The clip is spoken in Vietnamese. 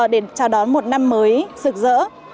để chào đón một năm mới sực dỡ